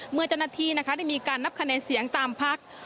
เมื่อเจ้าหน้าที่นะคะได้มีการนับคะแนนเสียงตามพัก